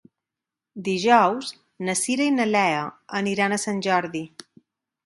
Dijous na Cira i na Lea aniran a Sant Jordi.